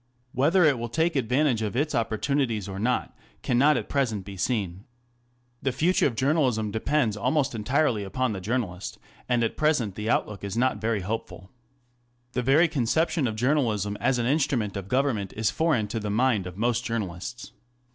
Whether it will take advantage of its opportunities or not cannot at present be seen. The future of journalism depends almost entirely upon the journalist, and at present the outlook is not very hopeful. The very conception of journalism as an instrument of government is foreign to the mind of most journalists.